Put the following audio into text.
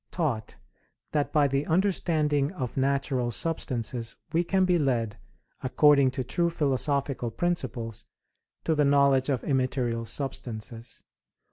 1183] taught that by the understanding of natural substances we can be led, according to true philosophical principles, to the knowledge of immaterial substances.